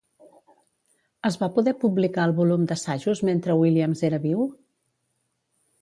Es va poder publicar el volum d'assajos mentre Williams era viu?